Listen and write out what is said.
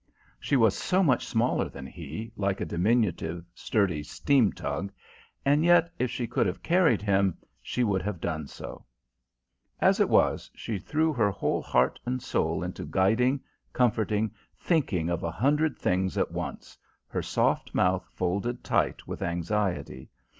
She was so much smaller than he, like a diminutive, sturdy steam tug; and yet if she could have carried him, she would have done so. As it was, she threw her whole heart and soul into guiding, comforting; thinking of a hundred things at once, her soft mouth folded tight with anxiety.